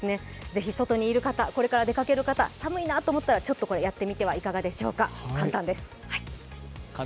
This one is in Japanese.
ぜひ、外にいる方、これから出かける方、寒いなと思ったらちょっとこれ、やってみてはいかがでしょうか、簡単です。